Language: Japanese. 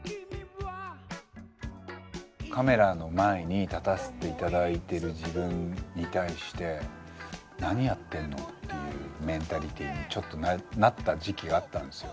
カメラの前に立たせて頂いてる自分に対して「何やってんの」っていうメンタリティーにちょっとなった時期があったんですよ。